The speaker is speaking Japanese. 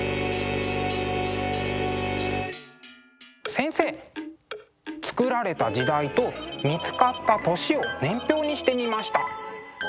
先生作られた時代と見つかった年を年表にしてみました。